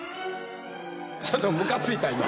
ちょっとムカついた今。